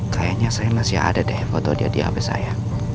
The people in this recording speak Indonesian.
kayaknya saya masih ada deh foto dia habis saya